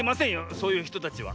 そういうひとたちは。